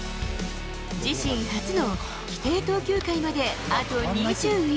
自身初の規定投球回まであと２１。